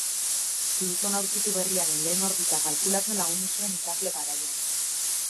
Pluton aurkitu berriaren lehen orbita kalkulatzen lagundu zuen ikasle-garaian.